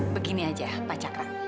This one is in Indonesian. begini aja pak cakra